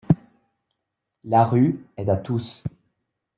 La rue “est à tous”